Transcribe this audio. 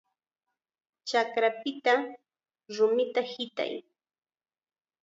¡Chakrapita rumita hitay!